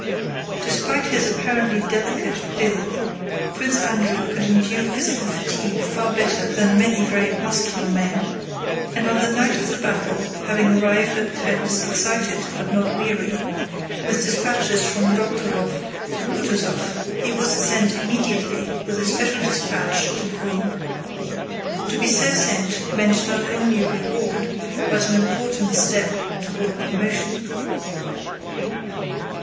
Despite his apparently delicate build Prince Andrew could endure physical fatigue far better than many very muscular men, and on the night of the battle, having arrived at Krems excited but not weary, with dispatches from Dokhtúrov to Kutúzov, he was sent immediately with a special dispatch to Brünn. To be so sent meant not only a reward but an important step toward promotion.